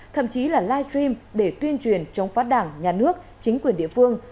thậm chí là live stream để tuyên truyền chống phát đảng nhà nước chính quyền địa phương